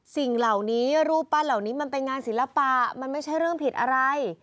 สิ่งเหล่านี้รูปปั้นเหล่านี้มันเป็นงานศิลปะมันไม่ใช่เรื่องผิดอะไร